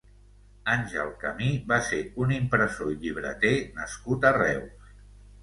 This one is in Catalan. Àngel Camí va ser un impressor i llibreter nascut a Reus.